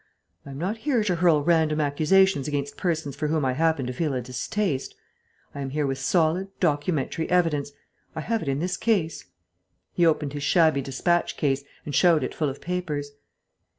I am not here to hurl random accusations against persons for whom I happen to feel a distaste. I am here with solid, documentary evidence. I have it in this case." He opened his shabby dispatch case, and showed it full of papers.